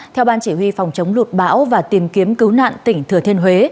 theo ban chỉ huy phòng chống lụt bão và tìm kiếm cứu nạn tỉnh thừa thiên huế